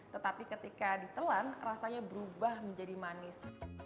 tetapi ketika ditelan rasanya berubah menjadi manis